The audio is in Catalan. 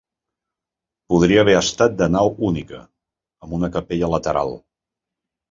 Podria haver estat de nau única, amb una capella lateral.